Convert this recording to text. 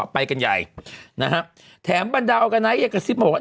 ไปกันใหญ่นะฮะแถมบันดาวกะไหนกระซิบมาบอกว่า